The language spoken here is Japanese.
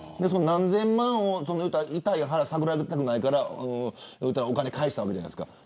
何千万を痛い腹探られたくないからお金を返したわけじゃないですか。